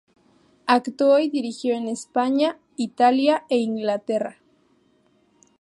Actuó y dirigió en España, Italia e Inglaterra.